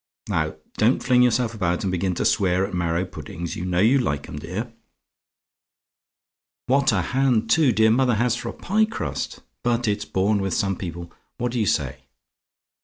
Now, don't fling yourself about and begin to swear at marrow puddings; you know you like 'em, dear. "What a hand, too, dear mother has for a pie crust! But it's born with some people. What do you say?